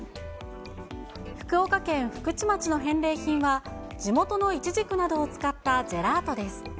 福岡県福智町の返礼品は、地元のイチジクなどを使ったジェラートです。